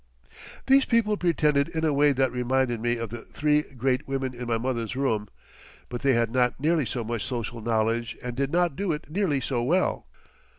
These people pretended in a way that reminded me of the Three Great Women in my mother's room, but they had not nearly so much social knowledge and did not do it nearly so well.